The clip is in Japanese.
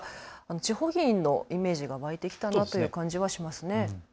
地方議員のイメージが湧いてきたなという感じがしますね。